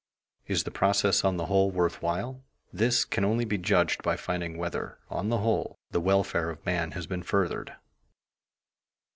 Is the process, on the whole, worth while? This can only be judged by finding whether, on the whole, the welfare of man has been furthered.